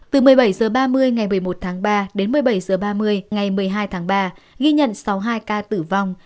từ một mươi bảy h ba mươi ngày một mươi một tháng ba đến một mươi bảy h ba mươi ngày một mươi hai tháng ba ghi nhận sáu mươi hai ca tử vong